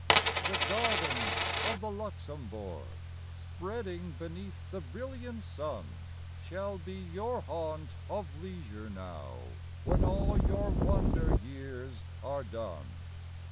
The gardens of the Luxembourg, Spreading beneath the brilliant sun, Shall be your haunt of leisure now When all your wander years are done.